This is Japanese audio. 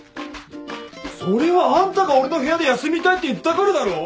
それはあんたが俺の部屋で休みたいって言ったからだろ！？